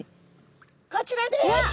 こちらです。